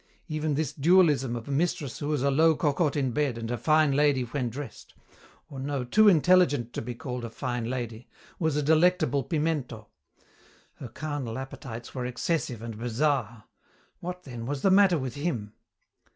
Even this dualism of a mistress who was a low cocotte in bed and a fine lady when dressed or no, too intelligent to be called a fine lady was a delectable pimento. Her carnal appetites were excessive and bizarre. What, then, was the matter with him?